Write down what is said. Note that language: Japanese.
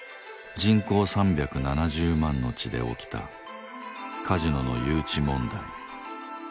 人口３７０万の地で起きたカジノの誘致問題。